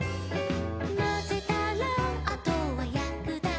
「まぜたらあとはやくだけで」